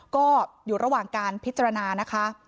ก็อยู่ระหว่างการพิจารณานะคะ